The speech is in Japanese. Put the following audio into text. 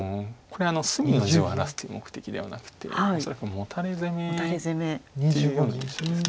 これは隅の地を荒らすという目的ではなくて恐らくモタレ攻めっていうような気がします。